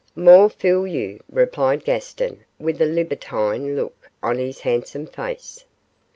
'More fool you!' replied Gaston, with a libertine look on his handsome face.